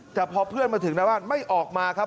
แต่พอเพื่อนมาถึงหน้าบ้านไม่ออกมาครับ